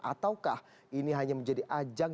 ataukah ini hanya menjadi ajang